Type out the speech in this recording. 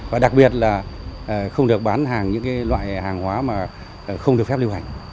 và đặc biệt là không được bán hàng những loại hàng hóa mà không được phép lưu hành